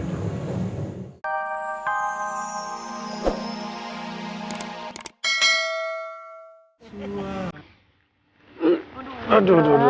aduh bu dokter